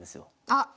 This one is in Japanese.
あっ。